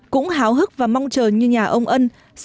cũng háo hức và mong chờ như nhà ông ân